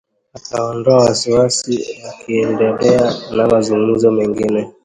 Akaondoa wasiwasi wakaendelea na mazungumzo mengine